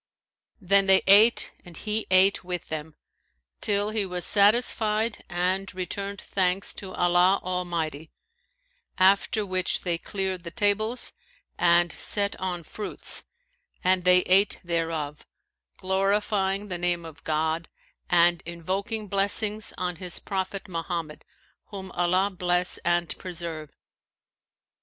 Then they ate and he ate with them, till he was satisfied and returned thanks to Allah Almighty; after which they cleared the tables and set on fruits, and they ate thereof, glorifying the name of God and invoking blessings on His prophet Mohammed (whom Allah bless and preserve!)